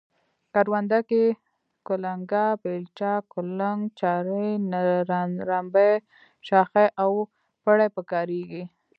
کرونده کې کلنگه، بیلچه، کولنگ، چارۍ، رنبی، شاخۍ او پړی په کاریږي.